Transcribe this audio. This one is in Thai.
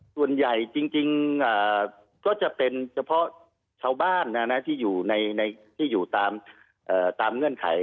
ส่วนใหญ่จริงก็จะเป็นเฉพาะชาวบ้านที่อยู่ที่อยู่ตามเงื่อนไข